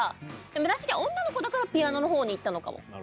村重女の子だからピアノの方にいったのかも。